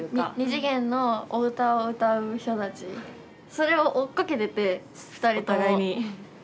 ２次元のお歌を歌う人たちそれを追っかけてて２人とも。お互いに。